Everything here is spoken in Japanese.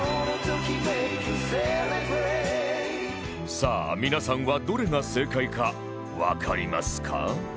さあ皆さんはどれが正解かわかりますか？